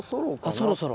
そろそろ。